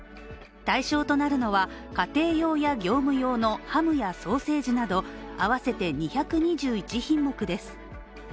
対象となるのは、家庭用や業務用のハムやソーセージなど合わせて２２１品目です。